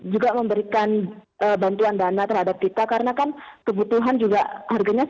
juga memberikan bantuan dana terhadap kita karena kan kebutuhan juga harganya